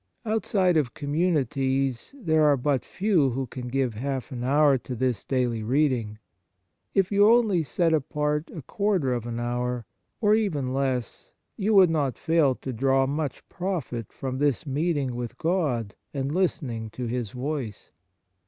Outside of communities there are but few who can give half an hour to this daily reading. If you only set apart a quarter of an hour, or even less, you \vould not fail to draw much profit from this meeting with God and listening to His voice.